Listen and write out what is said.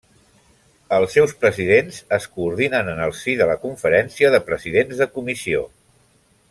Els seus presidents es coordinen en el si de la Conferència de Presidents de Comissió.